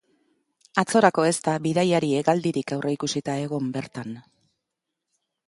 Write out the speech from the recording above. Atzorako ez da bidaiari-hegaldirik aurreikusita egon bertan.